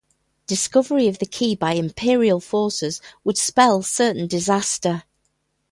Discovery of the key by Imperial forces would spell certain disaster.